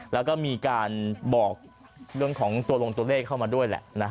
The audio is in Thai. แล้วก็มีการบอกเรื่องของตัวลงตัวเลขเข้ามาด้วยแหละ